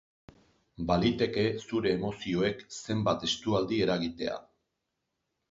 Baliteke zure emozioek zenbait estualdi eragitea.